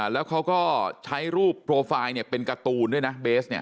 แล้วเขาก็ใช้รูปโปรไฟล์เป็นการ์ตูนด้วยนะเบสเนี่ย